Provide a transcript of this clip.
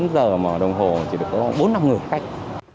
bốn giờ mở đồng hồ chỉ được có bốn năm người khách